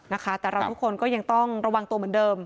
นะคะแต่เราทุกคนก็ยังต้องระวังตัวเหมือนเดิม